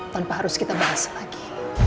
tanpa harus kita bahas lagi